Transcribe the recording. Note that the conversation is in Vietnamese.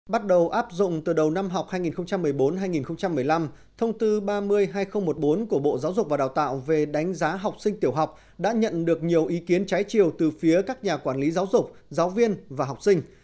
bắt đầu áp dụng từ đầu năm học hai nghìn một mươi bốn hai nghìn một mươi năm thông tư ba mươi hai nghìn một mươi bốn của bộ giáo dục và đào tạo về đánh giá học sinh tiểu học đã nhận được nhiều ý kiến trái chiều từ phía các nhà quản lý giáo dục giáo viên và học sinh